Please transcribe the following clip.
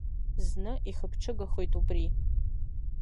Зны ихыԥҽыгахоит убри.